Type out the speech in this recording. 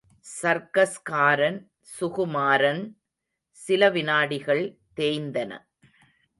சர்க்கஸ்காரன்... சுகுமாரன்! சில வினாடிகள் தேய்ந்தன.